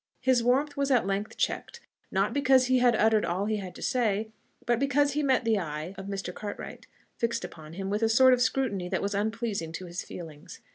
His warmth was at length checked, not because he had uttered all he had to say, but because he met the eye of Mr. Cartwright fixed upon him with a sort of scrutiny that was unpleasing to his feelings.